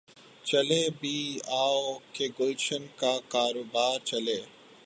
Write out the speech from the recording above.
چلے بھی آؤ کہ گلشن کا کاروبار چلے